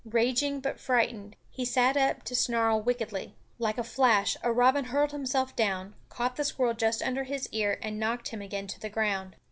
Raging but frightened, he sat up to snarl wickedly. Like a flash a robin hurled himself down, caught the squirrel just under his ear and knocked him again to the ground.